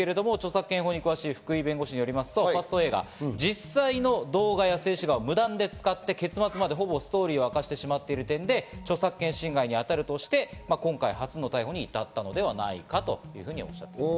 福井弁護士によりますと、実際の動画や静止画を無断で使って結末までほぼストーリーを明かしてしまっている時点で著作権侵害に当たるのではないかとして、今回初の逮捕に至ったのではないかとおっしゃっています。